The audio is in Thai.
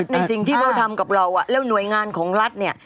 ในสิ่งที่เขาทำกับเราแล้วหน่วยงานของรัฐเนี่ย